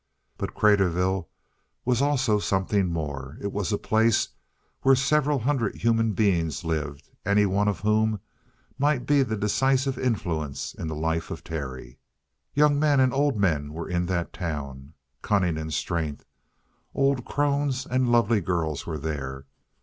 But Craterville was also something more. It was a place where several hundred human beings lived, any one of whom might be the decisive influence in the life of Terry. Young men and old men were in that town, cunning and strength; old crones and lovely girls were there.